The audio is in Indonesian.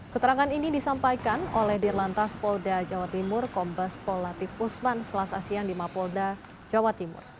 keterangan ini disampaikan oleh dir lantas polda jawa timur kombes pol latif usman selas asian di mapolda jawa timur